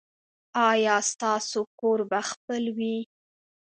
ایا ستاسو کور به خپل وي؟